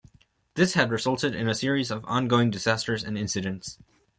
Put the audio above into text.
This has resulted in a series of ongoing disasters and incidents.